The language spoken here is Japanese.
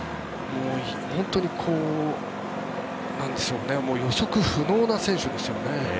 本当に予測不能な選手ですよね。